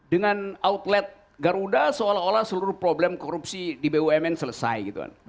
dengan outlet garuda seolah olah seluruh problem korupsi di bumn selesai gitu kan